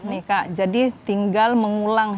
nih kak jadi tinggal mengulang